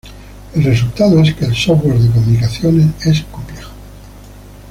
El resultado es que el software de comunicaciones es complejo.